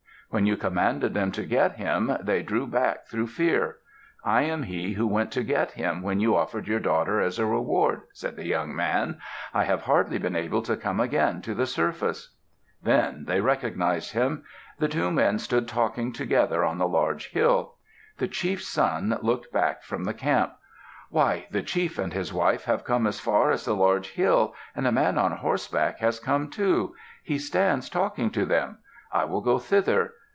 When you commanded them to get him, they drew back through fear. I am he who went to get him when you offered your daughter as a reward," said the young man. "I have hardly been able to come again to the surface." Then they recognized him. The two men stood talking together on the large hill. The chief's son looked back from the camp. "Why! The chief and his wife have come as far as the large hill and a man on horseback has come, too. He stands talking to them. I will go thither.